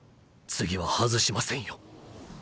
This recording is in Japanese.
次は外しませんよ。